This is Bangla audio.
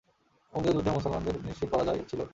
উহুদের যুদ্ধেও মুসলমানদের নিশ্চিত পরাজয় ছিল।